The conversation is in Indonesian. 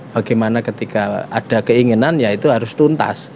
bagaimana ketika ada keinginan ya itu harus tuntas